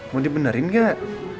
mau dibenerin gak